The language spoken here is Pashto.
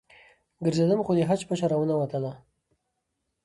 ګرځېدم خو د حج پچه رانه ووتله.